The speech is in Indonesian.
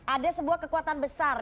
ada sebuah kekuatan besar